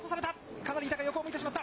かなり向いたが横を向いてしまった。